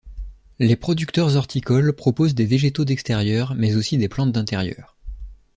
Les producteurs horticoles proposent des végétaux d'extérieur, mais aussi des plantes d'intérieur.